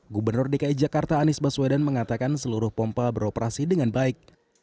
gubernur dki jakarta anies baswedan mengatakan seluruh pompa beroperasi dengan baik